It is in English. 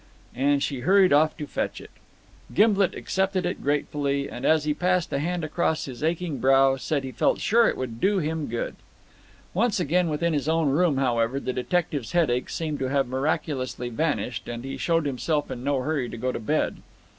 And she hurried off to fetch it. Gimblet accepted it gratefully, and as he passed a hand across his aching brow said he felt sure it would do him good. Once again within his own room, however, the detective's headache seemed to have miraculously vanished, and he showed himself in no hurry to go to bed.